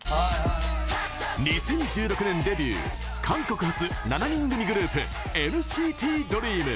２０１６年デビュー韓国発７人組グループＮＣＴＤＲＥＡＭ。